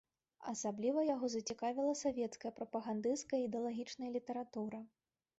Асабліва яго зацікавіла савецкая прапагандысцкая і ідэалагічная літаратура.